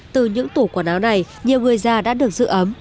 từ những tủ quần áo này nhiều người già đã được giữ ấm